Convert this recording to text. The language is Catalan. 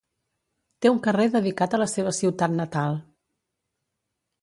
Té un carrer dedicat a la seva ciutat natal.